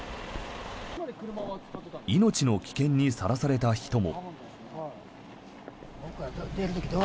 命の危険にさらされた人も。